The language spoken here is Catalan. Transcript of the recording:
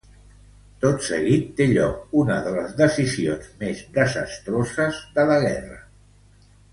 Tot seguit té lloc una de les decisions més desastroses de la guerra.